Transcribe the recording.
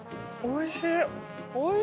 おいしい！